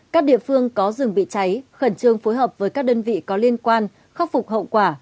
các địa phương có rừng bị cháy khẩn trương phối hợp với các đơn vị có liên quan khắc phục hậu quả